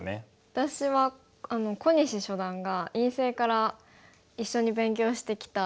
私は小西初段が院生から一緒に勉強してきた。